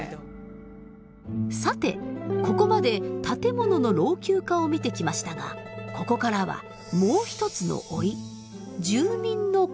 さてここまで建物の老朽化を見てきましたがここからはもう一つの老い住民の高齢化。